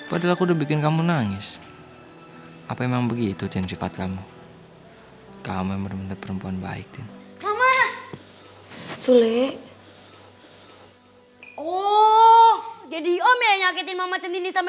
oh jadi om yang nyakitin mama cintin disampe nangis